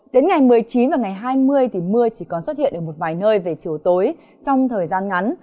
đến ngày một mươi chín và ngày hai mươi thì mưa chỉ còn xuất hiện ở một vài nơi về chiều tối trong thời gian ngắn